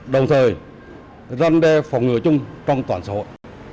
đồng thời răn đe phòng ngừa chung trong toàn xã hội